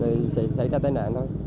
thì sẽ xảy ra tai nạn thôi